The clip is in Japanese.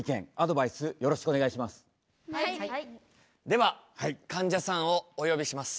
ではかんじゃさんをお呼びします。